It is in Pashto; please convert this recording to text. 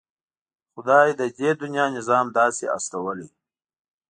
خدای د دې دنيا نظام داسې هستولی.